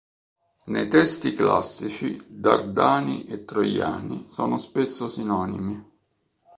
Nei testi classici, Dardani e Troiani sono spesso sinonimi.